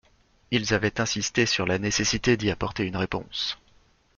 Ils avaient insisté sur la nécessité d’y apporter une réponse.